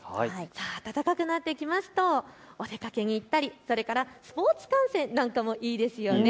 暖かくなってきますとお出かけにぴったり、それからスポーツ観戦なんかもいいですよね。